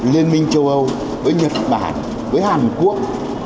liên minh châu âu với nhật bản với hàn quốc